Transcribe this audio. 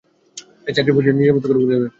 তাই চাকরি বাকরি ছেড়ে নিজের মতো করে উড়ে বেড়াচ্ছি!